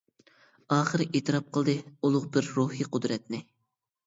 ئاخىرى ئېتىراپ قىلدى ئۇلۇغ بىر روھى قۇدرەتنى.